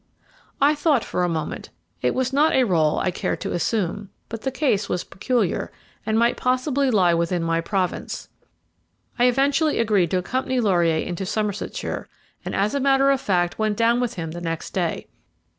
I thought for a moment it was not a rôle I cared to assume, but the case was peculiar, and might possibly lie within my province. I eventually agreed to accompany Laurier into Somersetshire, and, as a matter of fact, went down with him the next day.